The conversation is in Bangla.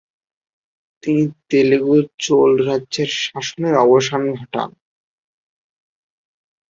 তিনি তেলুগু চোল রাজ্যের শাসনের অবসান ঘটান।